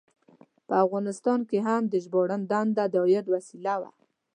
په افغانستان کې هم د ژباړن دنده د عاید وسیله وه.